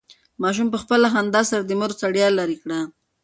ماشوم په خپله خندا سره د مور ستړیا لرې کړه.